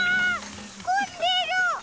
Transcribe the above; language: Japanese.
こんでる！